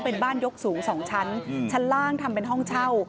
เป็นบ้านยกสูง๒ชั้นชั้นล่างทำเป็นห้องเช่า